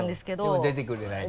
でも「出てくれないか？」と。